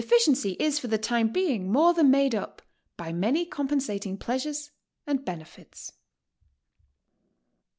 158 ficiency is for the time being more than made up by many compensating pleasures and benefits.